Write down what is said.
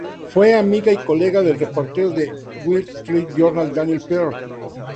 Fue amiga y colega del reportero de "The Wall Street Journal" Daniel Pearl.